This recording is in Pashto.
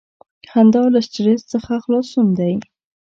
• خندا له سټریس څخه خلاصون دی.